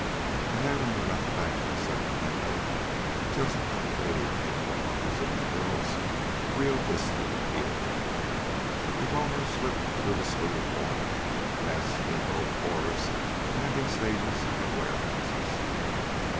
Ahead, on the left bank of the Sacramento, just at the fading end of the Montezuma Hills, Rio Vista appeared. The Roamer slipped through the smooth water, past steamboat wharves, landing stages, and warehouses.